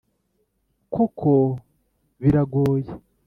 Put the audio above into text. Koko biragoye